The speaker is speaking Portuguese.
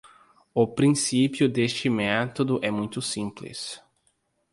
O princípio deste método é muito simples